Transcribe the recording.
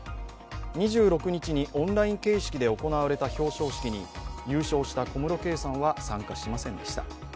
２６日にオンライン形式で行われた表彰式に優勝した小室圭さんは参加しませんでした。